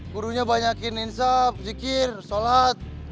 kurunya banyakkan insaf zikir shalat